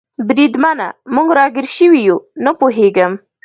بریدمنه، موږ را ګیر شوي یو؟ نه پوهېږم.